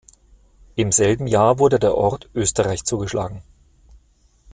Im selben Jahr wurde der Ort Österreich zugeschlagen.